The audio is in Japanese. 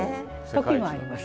時もあります。